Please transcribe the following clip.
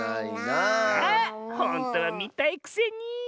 あほんとはみたいくせに。